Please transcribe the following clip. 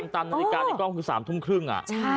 ตามนาฬิกาในกล้องคือ๓ทุ่มครึ่ง